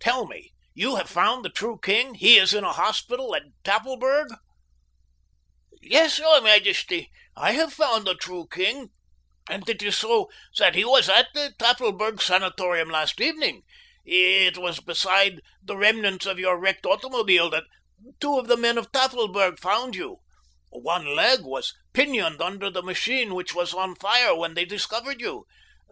"Tell me—you have found the true king? He is at a hospital in Tafelberg?" "Yes, your majesty, I have found the true king, and it is so that he was at the Tafelberg sanatorium last evening. It was beside the remnants of your wrecked automobile that two of the men of Tafelberg found you. "One leg was pinioned beneath the machine which was on fire when they discovered you.